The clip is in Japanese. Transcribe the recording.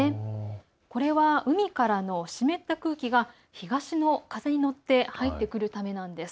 これは海からの湿った空気が東の風に乗って入ってくるためなんです。